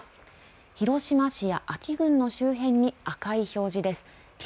広島市や安芸郡の周辺に赤い表示です。